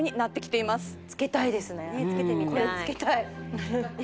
これ着けたい。